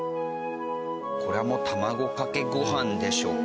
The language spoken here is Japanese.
これはもう卵かけご飯でしょうか？